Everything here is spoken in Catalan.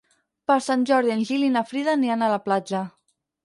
Per Sant Jordi en Gil i na Frida aniran a la platja.